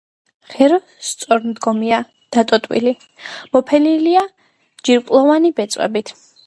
ღერო სწორმდგომია, დატოტვილი, მოფენილია ჯირკვლოვანი ბეწვებით.